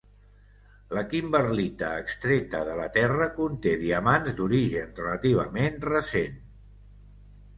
La kimberlita extreta de la terra conté diamants d'origen relativament recent.